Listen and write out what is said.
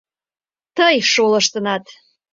Тый шолыштынат!..